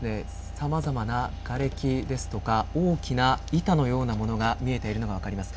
さまざまな、がれきですとか大きな板のようなものが見えているのが分かります。